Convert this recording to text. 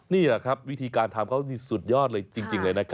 นี่แหละครับวิธีการทำเขาสุดยอดเลย